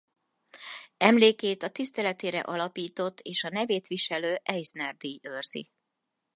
Emlékét a tiszteletére alapított és a nevét viselő Eisner-díj őrzi.